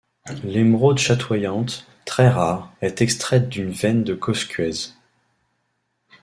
L'émeraude chatoyante, très rare, est extraite d'une veine de Coscuez.